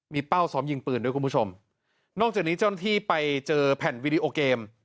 มีเป้าซ้อมยิงปืนด้วยคุณผู้ชมนอกจากนี้เจ้าหน้าที่ไปเจอแผ่นวีดีโอเกม